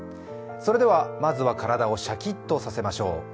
それではまずは体をシャキッとさせましょう。